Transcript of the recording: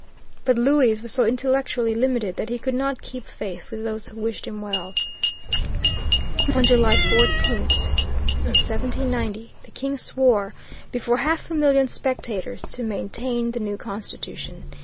But Louis was so intellectually limited that he could not keep faith with those who wished him well. On July 14, 1790, the King swore, before half a million spectators, to maintain the new constitution.